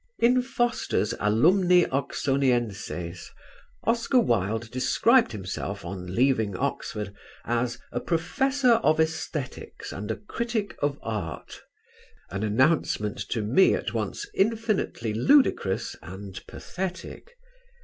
In Foster's Alumni Oxonienses, Oscar Wilde described himself on leaving Oxford as a "Professor of Æsthetics, and a Critic of Art" an announcement to me at once infinitely ludicrous and pathetic.